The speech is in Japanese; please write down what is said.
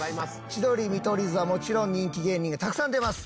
千鳥見取り図はもちろん人気芸人がたくさん出ます。